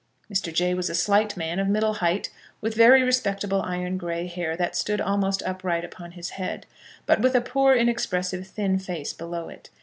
Mr. Jay was a slight man, of middle height, with very respectable iron grey hair that stood almost upright upon his head, but with a poor, inexpressive, thin face below it.